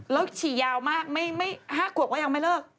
แล้วฉี่ยาวมาก๕ขวบก็ยังไม่เลิก